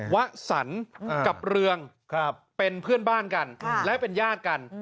วะสันกับเรืองเป็นเพื่อนบ้านกันและเป็นญาติกัน